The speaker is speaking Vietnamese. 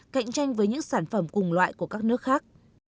cạnh tranh với những sản phẩm cùng loại của các nước khác